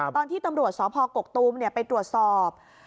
ตอนที่ตำรวจสพกกตูมไปตรวจสอบ